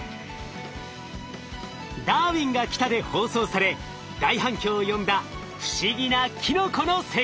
「ダーウィンが来た！」で放送され大反響を呼んだ不思議なキノコの世界。